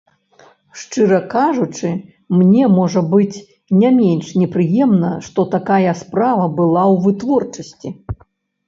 Шчыра кажучы, мне, можа быць, не менш непрыемна, што такая справа была ў вытворчасці.